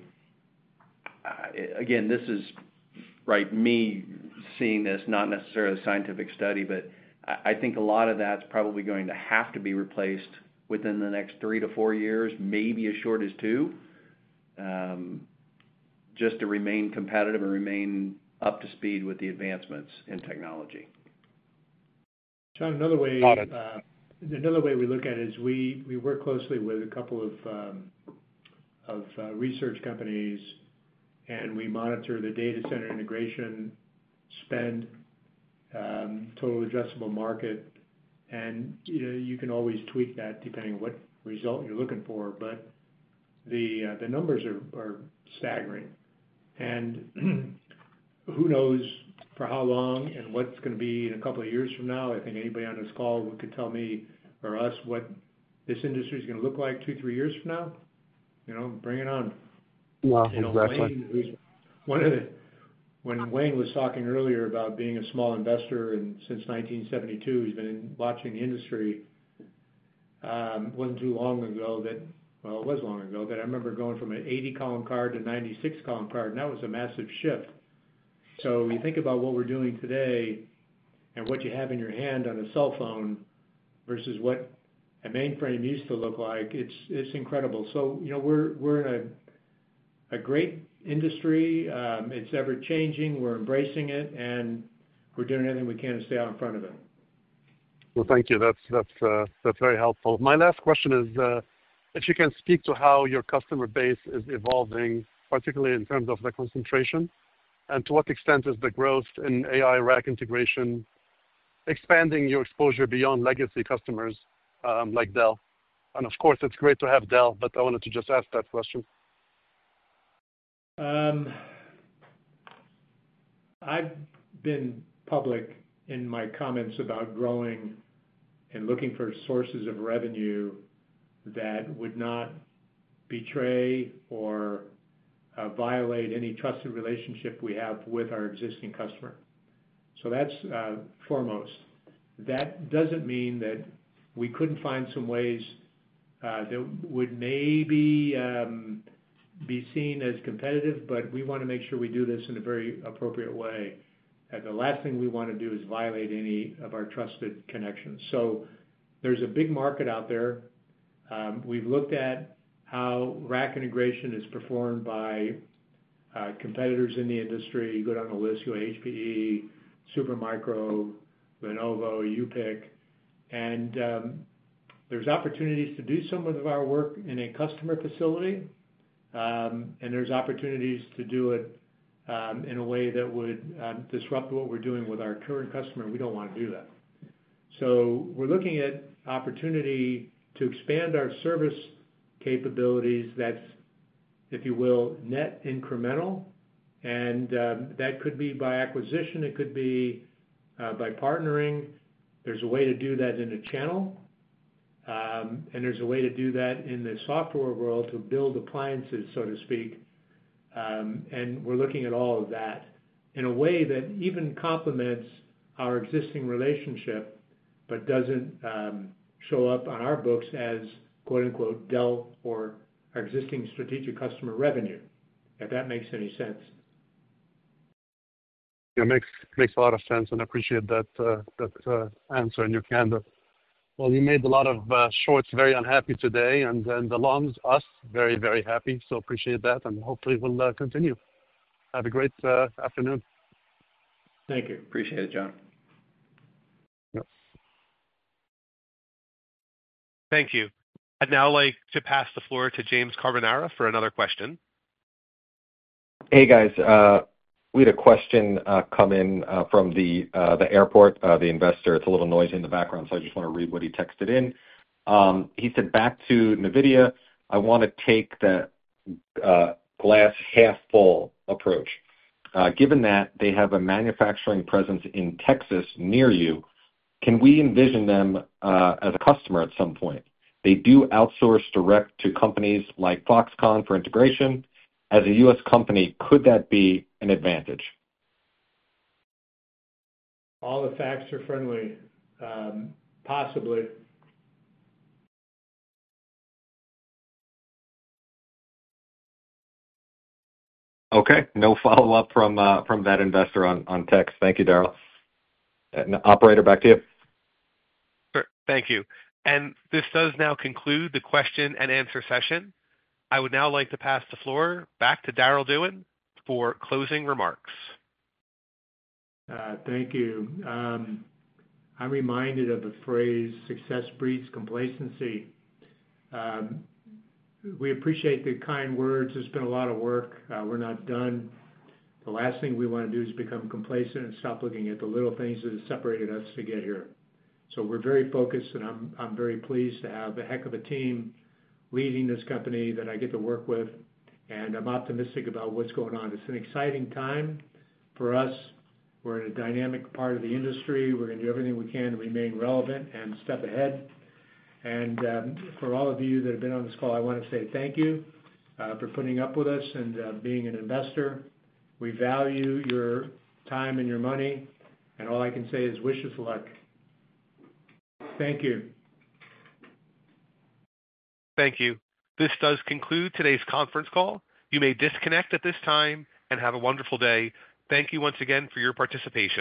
again, this is me seeing this, not necessarily a scientific study, but I think a lot of that's probably going to have to be replaced within the next three to four years, maybe as short as two, just to remain competitive and remain up to speed with the advancements in technology. John, another way we look at it is we work closely with a couple of research companies, and we monitor the data center integration spend, total addressable market. You can always tweak that depending on what result you're looking for. The numbers are staggering. Who knows for how long and what's going to be in a couple of years from now? I think anybody on this call could tell me or us what this industry is going to look like two, three years from now. Bring it on. Well, exactly. When Wayne was talking earlier about being a small investor and since 1972, he's been watching the industry, it was not too long ago that, well, it was long ago, that I remember going from an 80-column card to a 96-column card. That was a massive shift. You think about what we're doing today and what you have in your hand on a cell phone versus what a mainframe used to look like. It's incredible. We are in a great industry. It's ever-changing. We are embracing it. We are doing everything we can to stay out in front of it. Thank you. That's very helpful. My last question is, if you can speak to how your customer base is evolving, particularly in terms of the concentration, and to what extent is the growth in AI rack integration expanding your exposure beyond legacy customers like Dell? Of course, it's great to have Dell, but I wanted to just ask that question. I've been public in my comments about growing and looking for sources of revenue that would not betray or violate any trusted relationship we have with our existing customer. That is foremost. That does not mean that we could not find some ways that would maybe be seen as competitive, but we want to make sure we do this in a very appropriate way. The last thing we want to do is violate any of our trusted connections. There is a big market out there. We have looked at how rack integration is performed by competitors in the industry. You go down the list. You have HPE, Supermicro, Lenovo, UPIC. There are opportunities to do some of our work in a customer facility. There are opportunities to do it in a way that would disrupt what we are doing with our current customer. We do not want to do that. We're looking at opportunity to expand our service capabilities that's, if you will, net incremental. That could be by acquisition. It could be by partnering. There's a way to do that in a channel. There's a way to do that in the software world to build appliances, so to speak. We're looking at all of that in a way that even complements our existing relationship but doesn't show up on our books as Dell or our existing strategic customer revenue, if that makes any sense. Yeah. Makes a lot of sense. I appreciate that answer and your candor. You made a lot of shorts very unhappy today, and the longs, us, very, very happy. Appreciate that. Hopefully, we'll continue. Have a great afternoon. Thank you. Appreciate it, John. Thank you. I'd now like to pass the floor to James Carbonara for another question. Hey, guys. We had a question come in from the airport, the investor. It's a little noisy in the background, so I just want to read what he texted in. He said, "Back to NVIDIA, I want to take the glass half-full approach. Given that they have a manufacturing presence in Texas near you, can we envision them as a customer at some point? They do outsource direct to companies like Foxconn for integration. As a U.S. company, could that be an advantage? All the facts are friendly. Possibly. Okay. No follow-up from that investor on text. Thank you, Darryll. Operator, back to you. Sure. Thank you. And this does now conclude the question-and-answer session. I would now like to pass the floor back to Darryll Dewan for closing remarks. Thank you. I'm reminded of the phrase, "Success breeds complacency." We appreciate the kind words. There's been a lot of work. We're not done. The last thing we want to do is become complacent and stop looking at the little things that have separated us to get here. We are very focused, and I'm very pleased to have a heck of a team leading this company that I get to work with. I'm optimistic about what's going on. It's an exciting time for us. We are in a dynamic part of the industry. We are going to do everything we can to remain relevant and step ahead. For all of you that have been on this call, I want to say thank you for putting up with us and being an investor. We value your time and your money. All I can say is wish us luck. Thank you. Thank you. This does conclude today's conference call. You may disconnect at this time and have a wonderful day. Thank you once again for your participation.